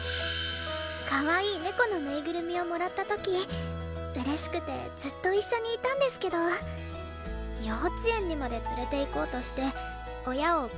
かわいい猫のぬいぐるみをもらった時嬉しくてずっと一緒にいたんですけど幼稚園にまで連れて行こうとして親を困らせたみたいです。